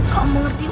kamu ngerti apa